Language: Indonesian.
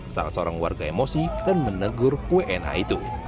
salah seorang warga emosi dan menegur wna itu